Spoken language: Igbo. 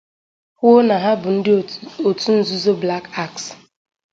kwuo na ha bụ ndị òtù nzuzo 'Black Axe'.